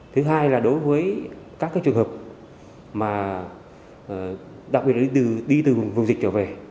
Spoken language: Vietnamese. thứ hai là đối với các trường hợp mà đặc biệt là đi từ vùng dịch trở về